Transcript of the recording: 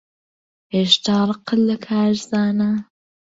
هێشتا ڕقت لە کارزانە؟